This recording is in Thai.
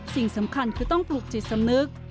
สิ่งสำคัญคือต้องปลุกจิตสำนึก